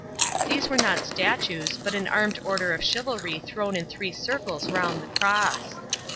These were not statues but an armed order of chivalry thrown in three circles round the cross.